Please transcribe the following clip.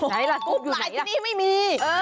กรุ๊ปไลน์ที่นี่ไม่มี